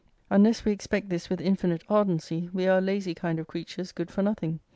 Unless we expect this with infinite ardency, wc are a lazy kind of creatures good for nothing.